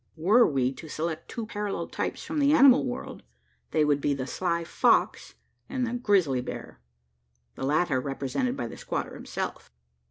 Were we to select two parallel types from the animal world, they would be the sly fox and the grizzly bear the latter represented by the squatter himself.